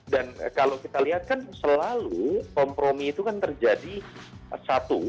dan kalau kita lihat kan selalu kompromi itu kan terjadi satu